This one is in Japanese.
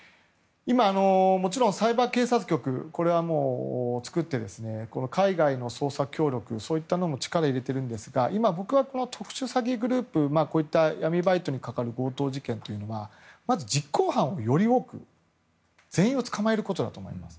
今、もちろんサイバー警察局を作って海外の捜査協力そういったのも力を入れてるんですが僕は特殊詐欺グループこういった闇バイトに関わる強盗事件はまず実行犯をより多く、全員を捕まえることだと思います。